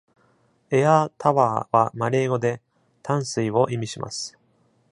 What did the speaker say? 「エアー・タワー」はマレー語で「淡水」を意味します。